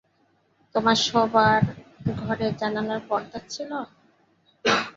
তোমার শোবার ঘরে জানালায় পর্দা ছিল?